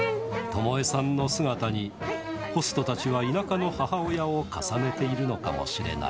トモエさんの姿に、ホストたちは田舎の母親を重ねているのかもしれない。